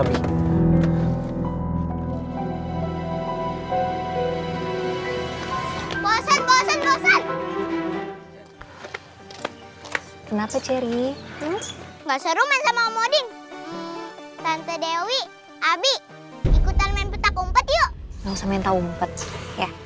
kenapa ceri enggak seru main sama moding tante dewi abi ikutan main petak umpet yuk